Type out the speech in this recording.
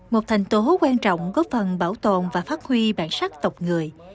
một thành tố quan trọng góp phần bảo tồn và phát huy bản sắc tộc người